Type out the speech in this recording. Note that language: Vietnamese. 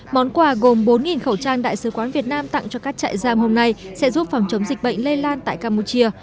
món quà gồm bốn khẩu trang đại sứ quán việt nam tặng cho các trại giam hôm nay sẽ giúp phòng chống dịch bệnh lây lan tại campuchia